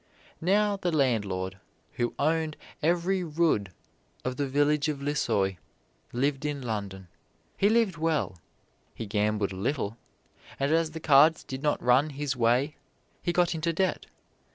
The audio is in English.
Now the landlord, who owned every rood of the village of Lissoy, lived in London. He lived well. He gambled a little, and as the cards did not run his way he got into debt.